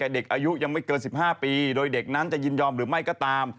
เด็กอายุยังไม่เกิน๑๕ปีโดยเด็กนั้นจะยินยอมหรือไม่ก็ตาม